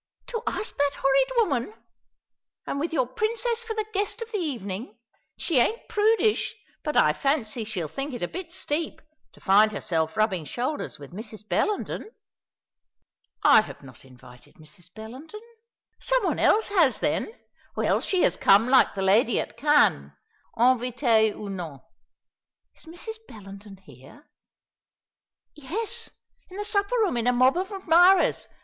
"To ask that horrid woman, and with your Princess for the guest of the evening! She ain't prudish; but I fancy she'll think it a bit steep to find herself rubbing shoulders with Mrs. Bellenden." "I have not invited Mrs. Bellenden." "Someone else has, then. Or else she has come like the lady at Cannes, invitée ou non." "Is Mrs. Bellenden here?" "Yes, in the supper room, in a mob of admirers.